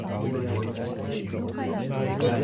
Batoto bana penda biakuria Bia ku mashamba